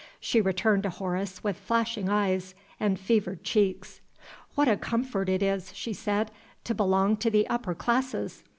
She turned to Horace with flashing eyes and fevered cheeks. "What a comfort it is," she said, "to belong to the upper classes!